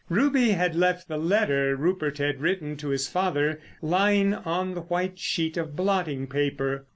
Ruby had left the letter Rupert had written to his father lying on the white sheet of blotting paper.